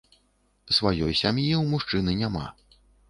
Сваёй сям'і ў мужчыны няма.